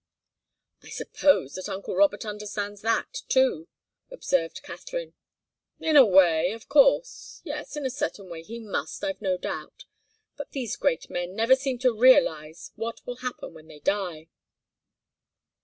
"I suppose that uncle Robert understands that, too," observed Katharine. "In a way, of course yes, in a certain way he must, I've no doubt. But these great men never seem to realize what will happen when they die."